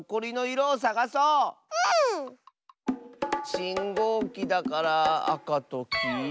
しんごうきだからあかときいろ？